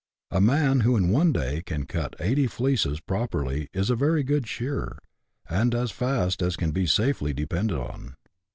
A man who in one day can cut 80 fleeces properly is a very good shearer, and as fast as can be safely depended on.